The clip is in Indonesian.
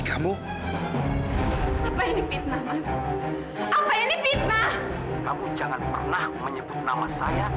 kamu jangan pernah menyebut nama saya